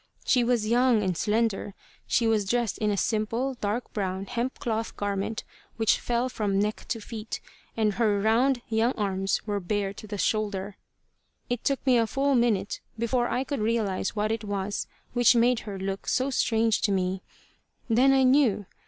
She was young and slender. She was dressed in a simple, dark brown, hemp cloth garment which fell from neck to feet, and her round young arms were bare to the shoulder. It took me a full minute, before I could realize what it was which made her look so strange to me. Then I knew.